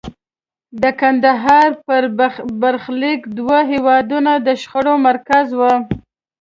د کندهار برخلیک د دوو هېوادونو د شخړو مرکز و.